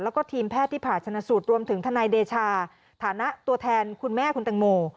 แล้วก็ทีมแพทย์ที่ผ่าชนสูตรรวมถึงทนายเดชาฐานะตัวแทนคุณแม่คุณแตงโม